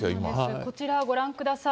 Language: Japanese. こちら、ご覧ください。